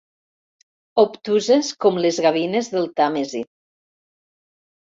Obtuses com les gavines del Tàmesi.